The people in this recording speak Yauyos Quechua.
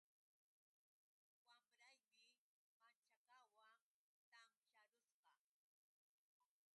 Wamraymi maćhkawan tansharusqa